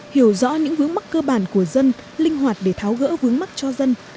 hiểu rõ những vướng mắc cơ bản của dân linh hoạt để tháo gỡ vướng mắt cho dân